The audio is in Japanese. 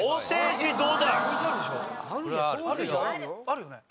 あるよね？